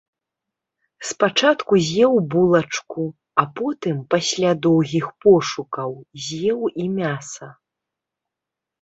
Спачатку з'еў булачку, а потым, пасля доўгіх пошукаў, з'еў і мяса.